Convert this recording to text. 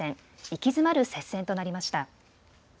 息詰まる接戦となりました。